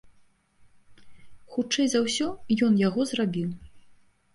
Хутчэй за ўсё, ён яго зрабіў.